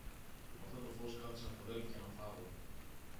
και με αυτό το φως κάθισαν τ' αδέλφια να φάγουν.